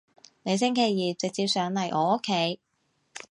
你星期二直接上嚟我屋企